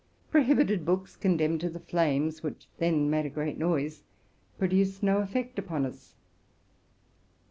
Prohibited books, condemned to the flames, which then made a great noise, produced no effect upon us.